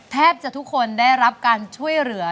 แทบจะทุกคนได้รับการช่วยเหลือ